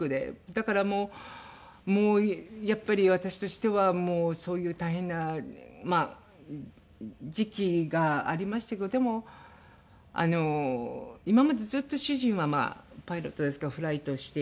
だからもうやっぱり私としてはもうそういう大変な時期がありましたけどでも今までずっと主人はパイロットですからフライトしている。